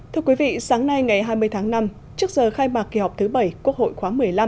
thưa quý vị sáng nay ngày hai mươi tháng năm trước giờ khai mạc kỳ họp thứ bảy quốc hội khóa một mươi năm